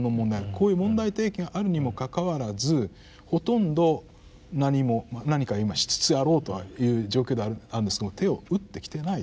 こういう問題提起があるにもかかわらずほとんど何も何か今しつつあろうとはという状況ではあるんですけども手を打ってきていない。